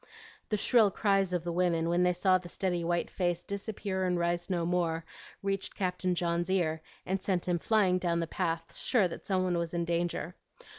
The shrill cries of the women when they saw the steady white face disappear and rise no more, reached Captain John's ear, and sent him flying down the path, sure that some one was in danger.